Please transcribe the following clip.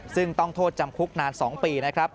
ซึ่งต้องโทษจำคุกนาน๒ปีนะครับ